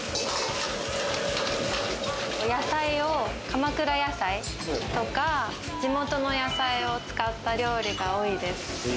野菜を、鎌倉野菜とか地元の野菜を使った料理が多いです。